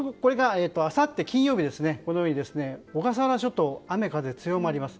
あさって金曜日小笠原諸島で雨風強まります。